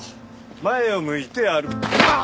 前を向いて歩あっ！